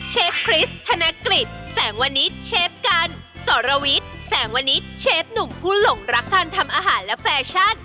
คริสธนกฤษแสงวนิดเชฟกันสรวิทย์แสงวนิดเชฟหนุ่มผู้หลงรักการทำอาหารและแฟชั่น